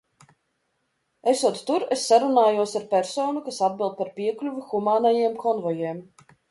Esot tur, es sarunājos ar personu, kas atbild par piekļuvi humānajiem konvojiem.